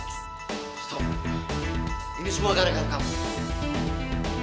so ini semua gara gara kamu